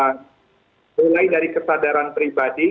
mulai dari kesadaran pribadi